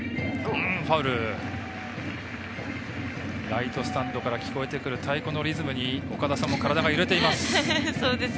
ライトスタンドから聞こえてくる太鼓のリズムに岡田さんも体が揺れています。